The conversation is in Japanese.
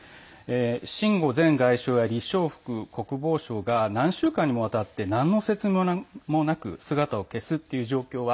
秦剛前外相や李尚福国防相が何週間にもわたってなんの説明もなく姿を消すという状況は